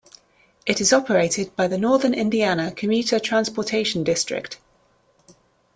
It is operated by the Northern Indiana Commuter Transportation District.